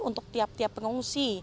untuk tiap tiap pengungsi